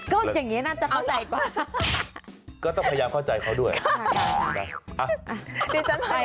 ก็อย่างนี้น่าจะเข้าใจกว่า